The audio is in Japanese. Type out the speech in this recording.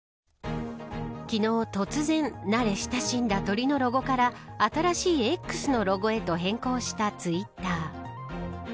昨日突然慣れ親しんだ青い鳥のロゴから新しいＸのロゴへと変更したツイッター。